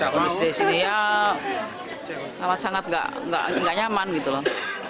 kondisi dari sini ya sangat sangat nggak nyaman gitu loh